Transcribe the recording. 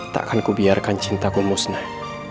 takkan kubiarkan cintaku musnah